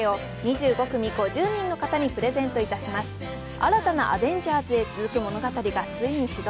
新たな「アベンジャーズ」へ続く物語がついに始動。